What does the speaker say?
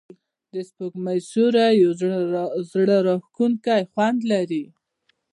د سپوږمۍ سیوری یو زړه راښکونکی خوند لري.